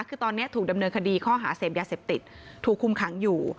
คือตอนนี้ถูกดำเนินคดีข้อหาเสพยาเสพติดถูกคุมขังอยู่